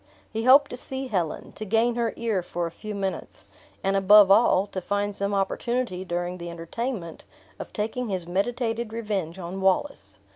He hoped to see Helen, to gain her ear for a few minutes; and, above all, to find some opportunity during the entertainment of taking his meditated revenge on Wallace.